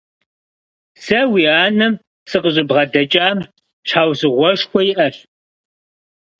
Сэ уи анэм сыкъыщӀыбгъэдэкӀам щхьэусыгъуэшхуэ иӀэщ.